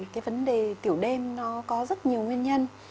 cái vấn đề tiểu đêm nó có rất nhiều nguyên nhân